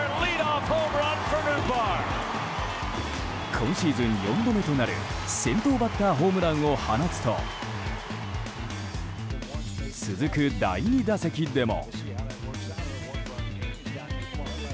今シーズン４度目となる先頭バッターホームランを放つと続く第２打席でも。